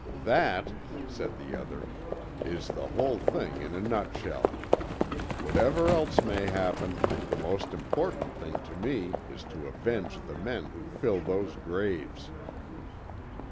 "That," said the other, "is the whole thing in a nutshell. Whatever else may happen, the most important thing to me is to avenge the men who fill those graves."